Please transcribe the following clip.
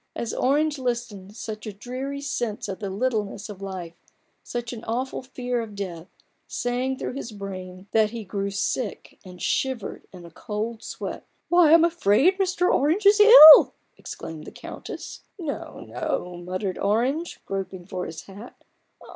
As Orange listened, such a dreary sense of the littleness of life, such an aweful fear of death, sang through his brain, 38 A BOOK OF BARGAINS, that he grew sick, and shivered in a cold sweat. "Why, I'm afraid Mr. Orange is ill!" exclaimed the Countess. " No, no !" muttered Orange, groping for his hat.